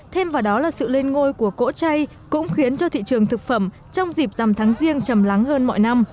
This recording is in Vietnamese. thêm vào đó là sự lên ngôi của cỗ chay cũng khiến cho thị trường thực phẩm trong dịp dằm tháng riêng chầm lắng hơn mọi năm